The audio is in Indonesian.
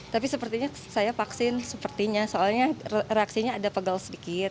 tapi sepertinya saya vaksin sepertinya soalnya reaksinya ada pegal sedikit